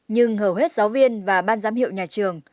nhưng hầu hết giáo viên và ban giám hiệu nhà trường